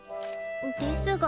ですが。